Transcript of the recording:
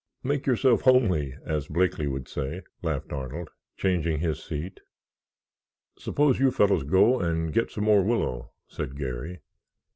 "Make yourself homely, as Blakeley would say," laughed Arnold, changing his seat. "Suppose you fellows go and get some more willow," said Garry.